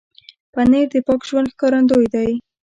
پنېر د پاک ژوند ښکارندوی دی.